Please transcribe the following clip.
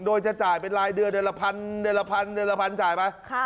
โดยจะจ่ายเป็นรายเดือนเดือนละพันเดือนละพันเดือนละพันจ่ายไป